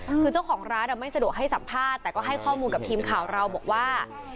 คือเจ้าของร้านอ่ะไม่สะดวกให้สัมภาษณ์แต่ก็ให้ข้อมูลกับทีมข่าวเราบอกว่า